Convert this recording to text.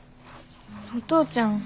お父ちゃん